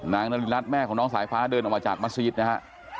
นางนริรัติแม่ของน้องสายฟ้าน่าเดินออกมาจากมัศวิทย์นะฮะ